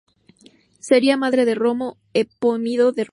Sería madre de Romo, epónimo de Roma.